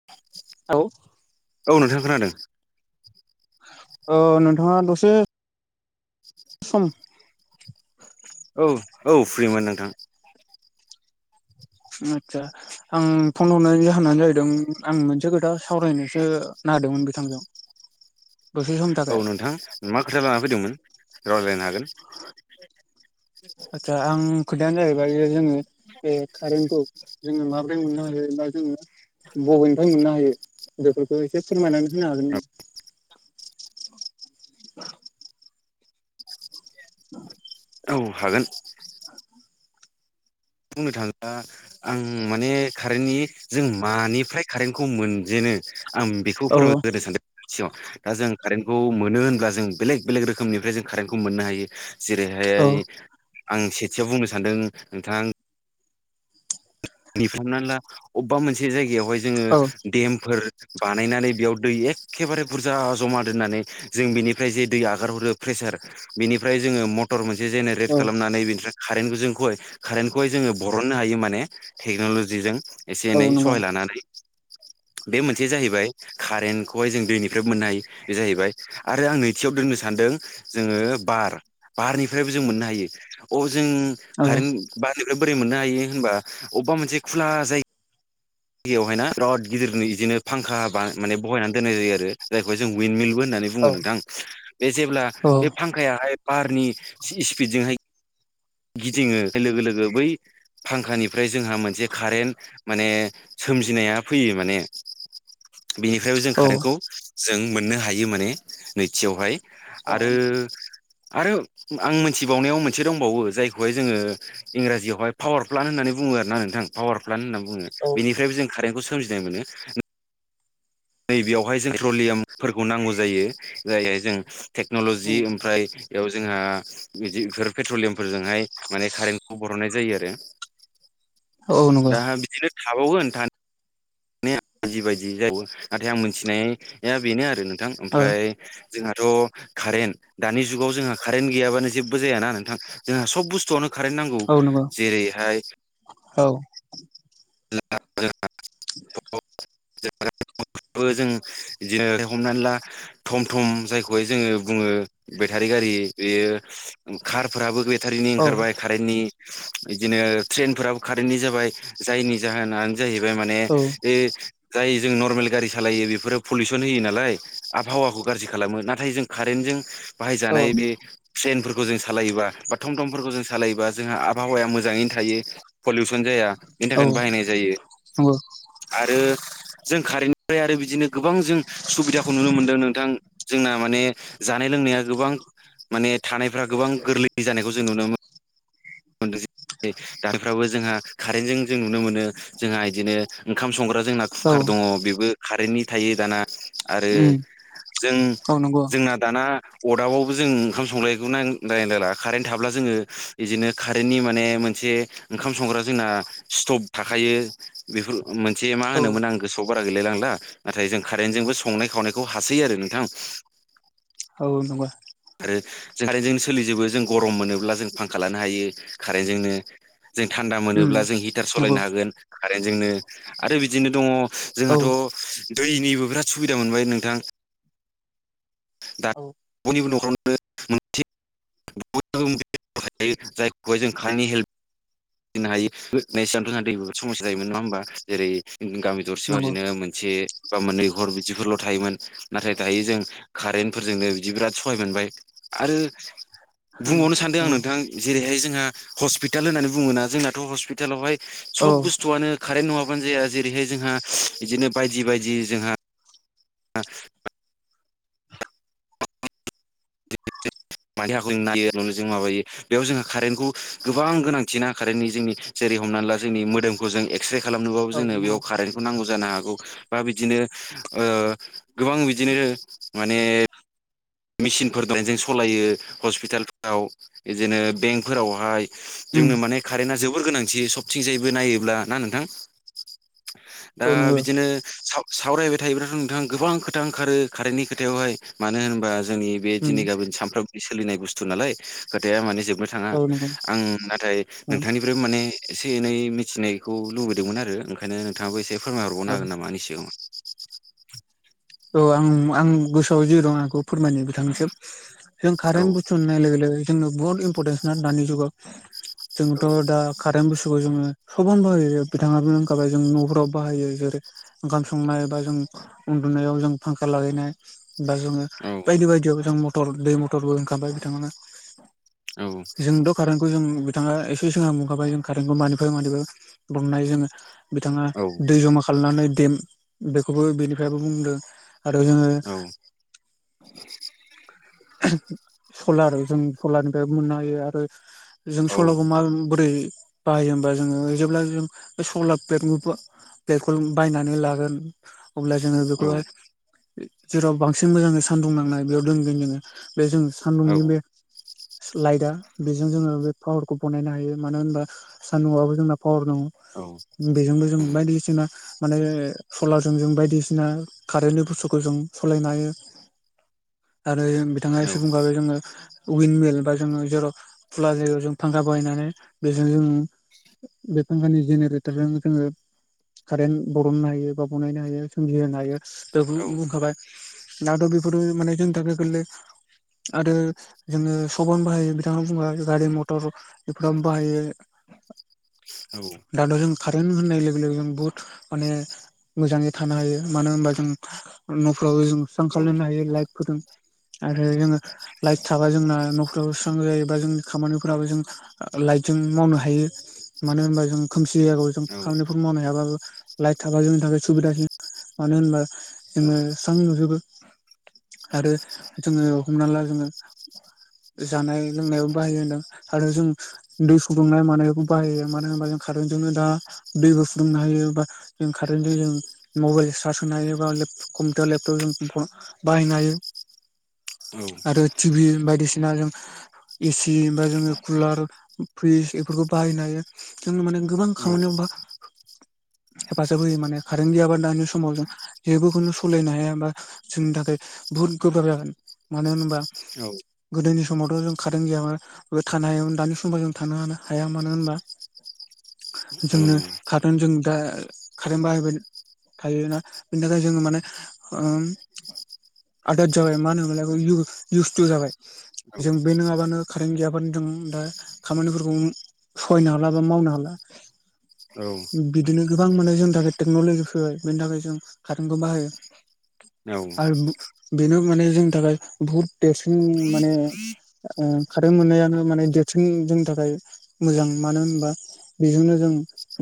[inaudible] औ [unintelligible] औ नोंथां खोनादों औ नोंथाङा दसे सम औ औ फ्रिमोन नोंथां आतसा आं फन हरनायनि जाहोनानो जाहैदों आं मोनसे खोथा सावरायनोसो नागिरदोंमोन बिथांजों [inaudible] समनि औ थाखाय नोंथां मा खोथा लाना फैदोंमोन रायज्लायनो हागोन आदसा आं खोथायानो जाहैबाय जोङो बे कारेन्टखौ जोङो माबोरै मोननो हायोबा जोङो बबेनिफ्राय मोननो हायो बेदोफोरखौ एसे फोरमायनानै होनो हागोन [inaudible] औ हागोन [inaudible] बुंनो थाङोब्ला आं माने कारेन्टनि जों मानिफ्राय कारेन्ट खौ मोनजेनो आं बेखौ फोरमायग्रोनो सानदों सिआव दा जों कारेन्टखौ मोनो होनब्ला जों बेलेग बेलेग रोखोमनिफ्राय जों कारेन्टखौ मोननो हायो जेरैहाय आं सेथियाव बुंनो सान्दों नोंथां हमना ला अबेबा मोनसे जायगायावहाय जोङो हागोन देमफोर बानायनानै बेयाव दै एखेबारे बुरजा जमा दोननानै जों बेनिफ्राय जे दै आगारहरो प्रेसार बेनिफ्राय जोङो म मटर मोनसे जेनेरेट खालामनानै बिनिफ्राय कारेन्टखौ जोंखौ कारेन्टखौहाय जोङो बरननो हायो माने टेक्न'ल'जिजों एसे एनै नों? सहाय लानानै बे मोनसेया जाहैबाय कारेन्टखौहाय जों दैनिफ्राय मोननो हायो बे जाहैबाय आरो आं नैथियाव दोननो सानदों जोङो बार बारनिफ्रायबो जों मोननो हायो अ जों औ कारेन्ट बारनिफ्राय बोरै मोननो हायो होनबा अबेबा मोनसे खुला जायगा जायगावहायना बिराद गिदिरनो बिदिनो फांखा माने बहायनानै दोननाय जायो आरो जायखौ जों उयिन मिलबो होननानै औ बुङो नोंथां बे जेब्ला बे फांखायाहाय बारनि स्पिडजोंहाय गिदिङो लोगो लोगो बै फांखानिफ्राय जोंहा मोनसे कारेन्ट माने सोमजिनाया फैयो माने बिनिफ्रायबो जों औ कारेन्टखौ जों मोननो हायो माने नैथियावहाय औ आरो आरो आं मोनथिबावनायाव मोनसे दंबावो जायखौहाय जोङो इंराजियावहाय पावार प्लान होननानै बुङ आरोना नोंथां पावार प्लान होननानै बुङो नंगौ बेनिफ्रायबो जों कारेनखौजिनाय मोनो नैबेयावहाय जों पेट्रलियामफोरखौ नांगौ जायो जायहाय जों औ टेक्न'ल'जि ओमफ्राय बेयाव जोंहा बिदि बेफोर पेट्रलियामफोरजोंहाय माने कारेन्टखौ बरहननाय जायो आरो औ नंगौ दाहा बिदिनो थाबावगोन नोंथां माने जि बायदि जायो नाथाय आं मिथिनाया बेनो आरो नोंथां औ ओमफ्राय जोंहाथ' कारेन्ट दानि जुगाव जोंहा कारेन्ट गैयाबानो जेबो जायाना नोंथां जोंहा सब बुस्थुवानो कारेन्ट नांगौ औ नंगौ जेरैहाय औ [unintelligible] [inaudible] जों इदिनो हमनानै ला थम थम जायखौहाय जोङो बुङो बेटारि गारि बेयो कारफोराबो बे भटारिनि औ ओंखारबाय कारेन्टनि बिदिनो ट्रेनफोराबो कारेन्टनि जाबाय जायनि जाहोना जाहैबाय माने औ बे जाय जों नर्मेल गारि सालायो बेफोरो पलिउसन होयो नालाय आबहावाखौ गाज्रि खालामो नाथाय जों कारेन्टजों बाहायजानाय बे ट्रेनफोरखौ जों सालायोबा बा थटं टंफोरखौ जों सालायोबा जोंहा आबहावाया मोजाङैनो थायो पलिउसन जाया बेनि थाखायनो बाहायनाय जायो नंगौ आरो जों कारेन्टनिफ्राय आरो बिदिनो गोबां जों सुबिदाखौ नुनो मोनदों नोंथां जोंना माने जानाय लोंनाया गोबां माने थानायफ्रा गोबां गोरलै जानायखौ जों नुनो मोनो मोनदोंसै दानिफ्राबो जोंहा कारेन्टजों जों नुनो मोनो जोंहा बिदिनो ओंखाम संग्रा जोंना औ कुकार दङ बेबो कारेन्टनि थायो दाना आरो उम जों औ नंगौ जोंना दाना अरदाबावबो जों ओंखाम संलायखौ नायलायला कारेेनट थाब्ला जोङो बिदिनो कारेन्टनि माने मोनसे ओंखाम संग्रा जोंना स्टब थाखायो बेफोर मोनसे मा औ होनोमोन आं गोसोआव बारा गैलायलांला नाथाय जों कारेन्टजोंबो संनाय खावनायखौ हासै आरो नोंथां औ नगौ आरो जों कारेन्टजोंनो सोलिजोबो जों गरम मोनोब्ला जों फांखा लानो हायो खारेन्टजोंोनो जों थान्दा उम मोनोब्ला जों हिटार नंगौ सालायनो हागोन कारेन्टजोंनो आरो बिदिनो दङ औ जोंहाथ' दैनिबो बिराद सुबिदा मोनबाय नोंथां औ बयनिबो न'खरावनो मोनसे जायखौहाय जों खानि हेल्प फिनो हायोना थ सान्थ समस्या जायोमोन नङा होमबा जेरै गामि दरसेयाव नंगौ बिदिनो मोनसे बा मोननै हर बिदिफोरल' थायोमोन नाथाय दायो जों कारेन्टफोरजोंनो बि बिराद सहाय मोनबाय आरो उम बुंबावनो सानदों आं नंगौ नोंथां जेरैहाय जोंहा हस्पिटाल होननानै बुङोना जोंनाथ' हस्पिटालावहाय औ सब बुस्थुआनो कारेन्ट नङाबानो जाया जेरैहाय जोंहा बिदिनो बायदि बायदि जोंहा ह [unintelligible] मानि हाखखौ नायो नुनो जों माबायो बेयाव जोंहा कारेन्टखौ गोबां गोनांथिना कारेन्टनि जोंनि जेरै हमनानै ला जोंनि मोदोमखौ जों एक्सरे खालामनोबाबो औ जोङो नंगौ बेयाव कारेन् नांगौ जानो हागौ बा बिदिनो गोबां बिदिनो माने मेसिनफोर दजों सालायो हस्पिटालफोराव बिदिनो बेंकफोरावहाय उम जोंनो माने कारेन्टा जोबोर गोनांथि सबथिंजायबो नायोब्ला ना नोंथां दा औ नंगौ बिदिनो सावरायबाय थायोब्लाथ' नोंथाङा गोबां खोथा ओंखारो खारेन्टनि खोथायावहाय मानो होनबा जोंनि बे उम दिनै गाबोन सानफ्रामबो सोनाय बुसथु नालाय खोथाया माने जोबोद थाङा औ नंगौ आं नाथाय उम नोंथांनि बे माने एसे एनै मिथिनायखौ लुबैदोंमोन आरो ओखनो नोंथांङाबो एसेफोरमाय हरबावनो औ हागोन नामा आंनि सिगाङाव औ आं आं गोसोआव जे दं आंखौ फोरमायनो बिथांनिसिम जों औ कारेन बुसथुखौ सनाय लोगो लोगो जोंनो बुहुत इमपरटेन्स दानि जुगाव जोंथ' दा कारेन्ट बुसथुखौ जोङो सबनो बाहायो बिथाङाांखाबाय जों न'फोराव बाहायो जेरै ओंखाम संनाय एबा जों नायाव जों फांखा लागायनाय बा जोङो औ बायदि बायदियाव जों मटर दै मटरबो ओंखखारबाय बिथांमोना जोंथ' खारेन् खौ जों बिथाङा एसे सिोंहा मखाबाय जों कारेन्टखौ मानिफ्राय मानि बुंनाय जोङो बिथाङा औ दै जमा खालामनानै देम बेखौबो बेनिफ्रायबो बुंदों आरो जोङो औ सलार जों सलारनिफ्राय मोननो हायो आरो जों औ सलारखौ माबोरै बाहायो होमबा जोङो जेब्ला जों बे सलार पेट बेखौ बायनानै लागोन अब्ला जोङो औ बेखौहाय जेराव बांसिन मोजाङ सान्दुं नांनाय बेयाव दोनगोन जोङो बे जों औ सान्दुंनि बे लाइटा बेजों जोङो बे पावारखौ बनायनो हायो मानो होनबा सान्दुंआाबबो जोंना पावार औ दङ बेजोंबो जों बायदिसिना माने सलारजों जों बायदिसिना कारेन्टनि बुस्थुखौ जों सालायनो हायो आरो बिथाङा सुबुंफ्रो जोङो उइिनमेल बा जोङो जेराव खुला जायगायाव जों फांखा बाहायनानै बेजों जों बे फांखानि जेनेरेटारजों जोङो कारेन्ट बरननो हायो बा बनायनो हायो सोमजिहोनो हायो बे हाबाय दाथ' बेफोर माने जों थाखाय गले आरो जोङो सन बाहायो बिथाङा बुंबा गारि मथर बेफोरावनो बाहायो औ दाथ' जों कारेन्ट होननाय लोगो लोगो जों बुहुत माने मोजाङै थानो हायो मानो होनबा जों न'फ्रावबो जों स्रां खालायलानो हायो लाइट फोजों आरो जोङो लाइट थाबा जोंना न'खराव स्रां जायोबा जोंनि खामानिफोराबो जों लाइटजोंनो मावनो हायो मानो होनबा जों खोमसि जायगाव जों खामानिफोर मावनो हायाबाबो लाइट थाबा जोंनि थाखाय सुबिदासिन मानो होनबा औ जोङो स्रां नुजोबो आरो जोङो हमना ला जोङो जानाय लोंनायाव बाहायो होनदों आरो जों दै फुदुंनाय मानायावबो बाहायो मानो होनबा जों कारेन्टजोंनो दा दैबो फुदुंनो हायो बा जों कारेन्टजों जों मबेल चार्ज होनो हायो बा लेप कम्पिउटार लेपटप जों फ बाहायनो हायो। आरो टिभि बायदिसिना जों एसि बा जोङो कुलार फ्रिज इफोरखौ बाहायनो हायो। जों माने गोबां खामानियाव बा हेफाजाब होयो माने कारेन्ट गैयाबा दानि समाव जों जेबोखौनो सलिनो हाया बा जोंनि थाखाय बुहुद गोब्राब जागोन मानो होनबा गोदोनि समावथ' जों खारेन गैयामोन। बो थानोमोन हायो दानि समाव जों थानो हानो हाया मानो होनबा जोंनो कारन जों दा कारेन बाहायबाय थायोना बिनि थाखाय जोङो माने ओ आदोद जाबाय मानो होनोमोनलाय बै [unintelligible] ब्यस्थ जाबाय। जों बे नोङाबानो कारेन्ट गैयाबानो जों दा खामानिफोरखौ सहायनो हाला बा मावनो हाला। बिदिनो गोबां माने जोंनि थाखाय टेक्न'लजिया फैबाय बेनि थाखाय जों कारेन्टखौ बाहायो। औ उम बेनो माने जोंनि थाखाय बुहुत देरसिन माने ओ खारेन्ट मोननायानो माने देरसिन जोंनि थाखाय मोजां मानो होनोबा बेजोंनो जों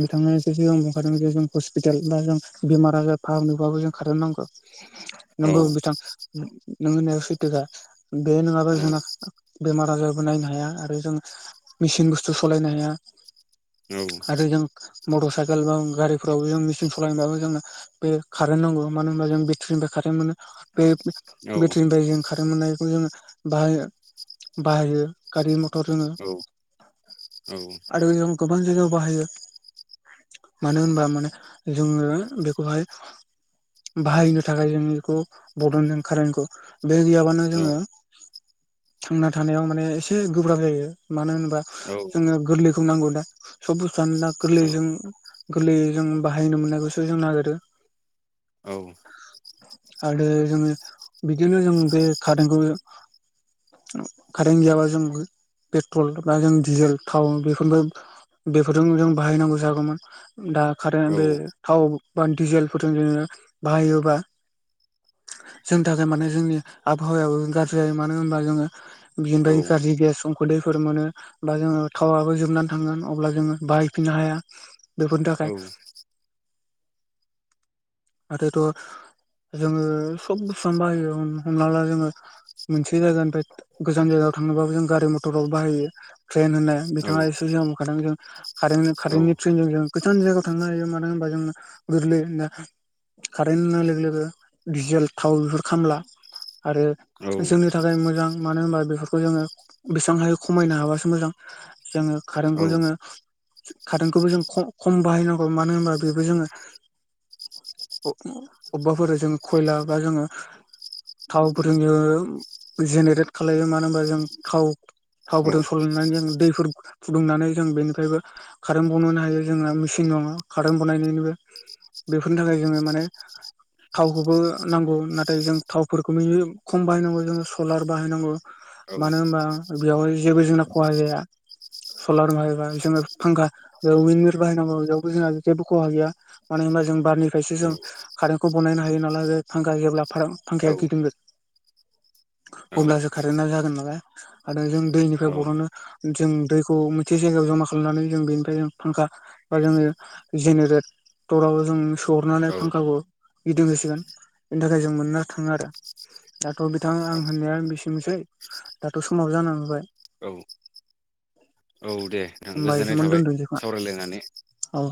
बिथांमोना एसे सिगां बुंंखादों जे जों हस्पिटाल बा जों बेमार आजार फाहामनोबाबो जों खारेन नांगौ। औ नोंगौ बिथां नों होननायाव सैथोखा। बे नोङाबा औ जोंना बेमार आजाराबो नायनो हाया आरो जों मेसिन बुसथु सलायनो हाया। औ आरो जों मटर साइकेल बा गारिफोरावबो जों मेचिन सालायनोबाबो जोङो बे कारेन्ट नांगौ मानो होनबा जों बेट्रिनिफ्राय कारेन्ट मोनो। बे बेट्रिनिफ्राय जों कारेन्ट मोननायखौ जोंङो बाहायो बाहायो गारि मथर जोङो आरो जों गोबां जायगायाव बाहायो। मानो होनबा माने जोङो बेखौहाय बाहायनो थाखाय जों इखौ बर'नदों कारेन्टखौ बे गैयाबानो जोङो थांना थानायाव माने एसे गोब्राब जायो मानो होनोबा जोङो गोरलैखौ नांगौ दा सब बुसथुयानो दा गोरलैयै जों गोरलैयै जों बाहायनो मोननायखौसो जों नागिरो। आरो जोङो बिदिनो जों बे कारेंखौ कारेन्ट गैयाबा जों पेट्रल बा जों डिजेल थाव बेफोरबो बेफोरजों जों बाहायनांगौ जागौमोन। दा कारेन्ट बे थाव बा डिजेलफोरजों जोङो बाहायोबा जोंनि थाखाय माने जोंनि आबहावायाबो गाज्रि जायो मानो होनबा जोङो बिनिफ्राय गाज्रि गेस संखोदैफोर मोनो। बा जोङो थावाबो जोबनानै थांगोन अब्ला जोङो बाहायफिननो हाया बेफोरनि थाखाय। आरोथ' जोङो सब सामयावनो बाहायो हमना ला जों जोङो मोनसे जायगानिफ्राय गोजान जायगायाव थांनोबाबो जों गारि मथराव बाहायो। ट्रेन होननाय बिथाङा एसेजिदा मोनखादों जों कारेन्टनि थ्रेनजों गोजान जायगायाव थांनो हायो मानो होनबा जों गोरलै। कारेन्ट होननाय लोगो लोगो डिजेल थाव बेफोर खामला आरो। जोंनि थाखाय मोजां मानो होनबा बेफोरखौ जोङो बेसेबां हायो खमायनो हाबासो मोजां। जोङो खारेनखौ जोङो खारेन्टखौबो जों खम बाहायनांगौ मानो होनबा बेबो जोङो। अबेबाफोर जों खयला बा जोङो थावफोर जोङो जेनेरेट खालायो मानो होनबा जों थाव। थावफोरजों सलायनानै जों दैफोर फुदुंनानै जों बेनिफ्रायबो कारेन्ट बनायनो हायो जोंना मेचिन दङ कारेन्ट बनायनायनिबो बेफोरनि थाखाय जोङो माने खौबो नांगौ नाथाय जों थावफोरखौ खम बाहायनांगौ जों सलार बाहायनांगौ। मानो होनबा बेयावहाय जेबो जोंना खहा जाया। सलार बाहायबा जोो फांखा उन बाहायनांगौ बेबो जोंहा जेबो खहा गैया। मानो होनबा जों बारनिफ्रायसो जों कारेन्टखौ बानायनो हायो ायो ना फांखाा होयोब्ला फांखाया गिदिं अब्लासो कारेन्टआ जागोन नालाय आरो जों दैनिफ्राय बर'नो जों दैखौ मोनसे जायगायाव जमा खालामनानै जों बेनिफ्रायों फांखा बा जोङो जेनेरेटराव जों सोहरनानै फांखाखौ गिदिं होसिगोन बेनि थाखाय जों मोननो थाङो आरो। दाथ' बिथां आं होननाया बेसेनोसै दाथ' समाव जानांबावबाय औ [inaudible] औ दे नोंथां होमबा गोजोननाय एसेमावनो थाबाय दोनथ'नोसै खोमा सावरायलायनानै। औ।